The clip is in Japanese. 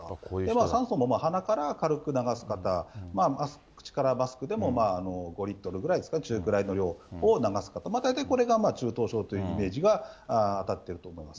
酸素も鼻から軽く流す方、口からマスクでも５リットルぐらいですか、中くらいの量を流す方、大体これが中等症というイメージが当たっていると思います。